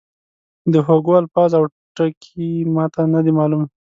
د هوګو الفاظ او ټکي ما ته نه دي معلوم.